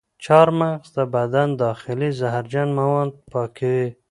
چارمغز د بدن داخلي زهرجن مواد پاکوي.